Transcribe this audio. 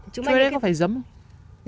chuối đó có phải dấm không